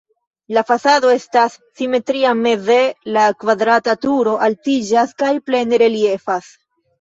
La fasado estas simetria, meze la kvadrata turo altiĝas kaj plene reliefas.